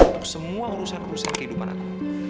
untuk semua urusan urusan kehidupan aku